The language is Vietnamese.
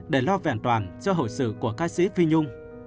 để lo vẹn toàn cho hậu sự của ca sĩ phi nhung